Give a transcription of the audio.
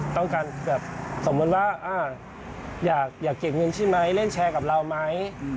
ต้องการแบบสมมุติว่าอยากเก็บเงินใช่ไหมเล่นแชร์กับเราไหม